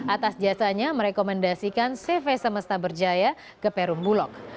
atas jasanya merekomendasikan cv semesta berjaya ke perumbulok